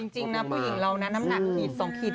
จริงนะผู้หญิงเรานะน้ำหนักขีด๒ขีด